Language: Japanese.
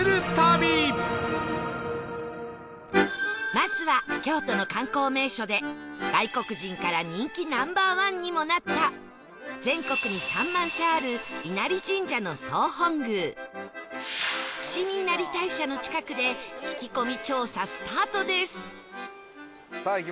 まずは京都の観光名所で外国人から人気 Ｎｏ．１ にもなった全国に３万社ある稲荷神社の総本宮伏見稲荷大社の近くで聞き込み調査スタートです